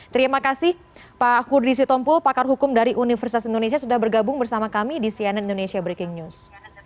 terima kasih pak kudri sitompul pakar hukum dari universitas indonesia sudah bergabung bersama kami di cnn indonesia breaking news